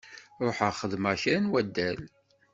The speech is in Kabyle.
Ruḥeɣ xedmeɣ kra n waddal.